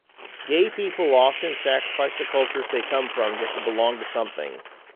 'Gay people often sacrifice the cultures they come from just to belong to something.